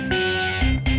terima kasih bu